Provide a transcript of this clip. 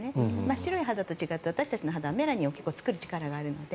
白い肌と違って私たちの肌はメラニンを結構作る力があるので。